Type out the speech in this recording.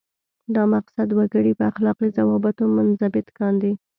دا مقصد وګړي په اخلاقي ضوابطو منضبط کاندي.